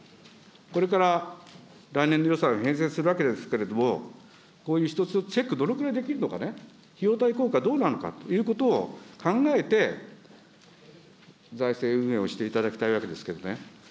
これから来年度予算を編成するわけですけれども、こういう一つ一つチェック、どのくらいできるのかね、費用対効果、どうなのかということを考えて、財政運営をしていただきたいわけですけどね。